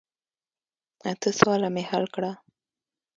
اته سواله مې حل کړه.